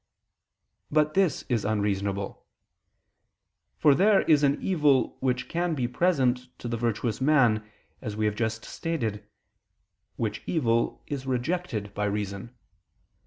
But this is unreasonable. For there is an evil which can be present to the virtuous man, as we have just stated; which evil is rejected by reason.